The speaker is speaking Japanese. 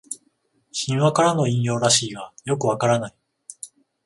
神話からの引用らしいがよくわからない